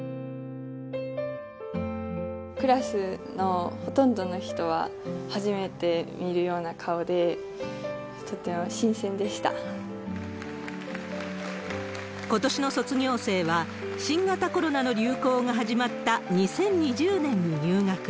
クラスのほとんどの人は、初めて見るような顔で、ことしの卒業生は、新型コロナの流行が始まった２０２０年に入学。